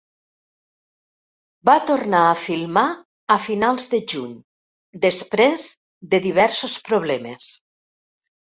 Va tornar a filmar a finals de juny després de diversos problemes.